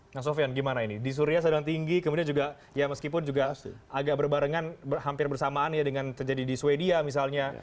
nah sofyan gimana ini di suria sedang tinggi kemudian juga ya meskipun juga agak berbarengan hampir bersamaan ya dengan terjadi di swedia misalnya